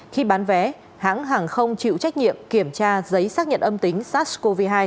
khi bán vé hãng hàng không chịu trách nhiệm kiểm tra giấy xác nhận âm tính sars cov hai